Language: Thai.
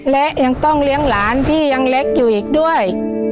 และยังต้องเลี้ยงหลานที่ยังเล็กอยู่อีกด้วย